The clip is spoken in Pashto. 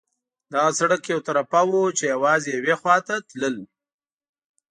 دغه سړک یو طرفه وو، چې یوازې یوې خوا ته تلل.